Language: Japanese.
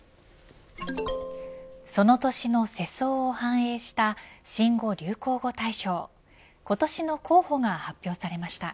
その年の世相を反映した新語・流行語大賞今年の候補が発表されました。